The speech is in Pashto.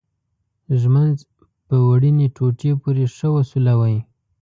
ږمنځ په وړینې ټوټې پورې ښه وسولوئ.